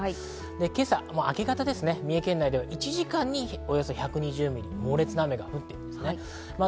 今朝明け方、三重県内で１時間におよそ１２０ミリ、猛烈な雨が降りました。